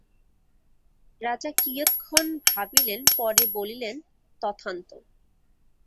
রাজা কিয়ৎক্ষণ ভাবিলেন পরে বলিলেন, তথান্তু।